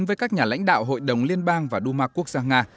với các nhà lãnh đạo hội đồng liên bang và đu ma quốc gia nga